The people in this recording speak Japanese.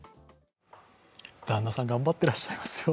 旦那さん、頑張ってらっしゃいますよ。